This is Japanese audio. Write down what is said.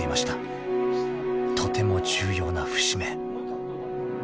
［とても重要な節目］